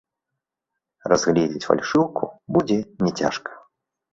Разгледзець фальшыўку будзе няцяжка.